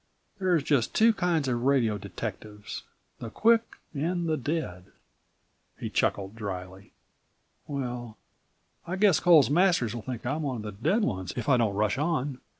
There's just two kinds of radio detectives, the quick and the dead." He chuckled dryly. "Well, I guess Coles Masters will think I'm one of the dead ones if I don't rush on."